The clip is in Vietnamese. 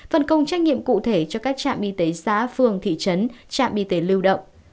phân công trách nhiệm cụ thể cho các trạm y tế xã phường thị trấn trạm y tế lưu động